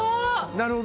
なるほど。